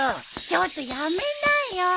ちょっとやめなよ！